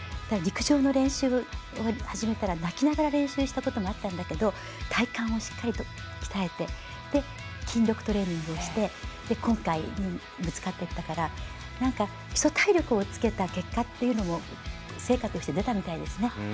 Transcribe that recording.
ただ、陸上の練習を始めたら泣きながら練習したこともあったんだけど体幹をしっかりと鍛えてそして、筋力トレーニングをしてそれで今回ぶつかっていったから基礎体力をつけた結果というのも成果として出たみたいですね。